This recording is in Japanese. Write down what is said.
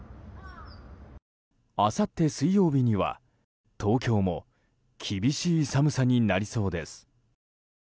あさって水曜日には、東京も厳しい寒さになりそうです。